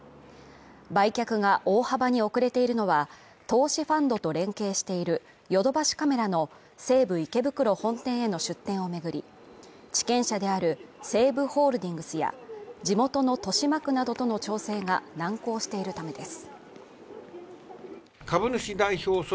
売却が大幅に遅れているのは投資ファンドと連携しているヨドバシカメラの西武池袋本店への出店を巡り、地権者である西武ホールディングスや地元の豊島区などとの調整が難航しているためです。